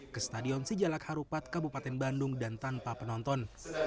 ke stadion sijalak harupat kabupaten bandung dan tanpa penonton